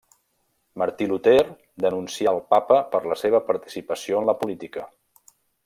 Martí Luter denuncià el Papa per la seva participació en la política.